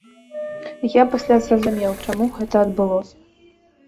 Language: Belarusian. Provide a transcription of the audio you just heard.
Я пасля зразумеў, чаму гэта адбылося.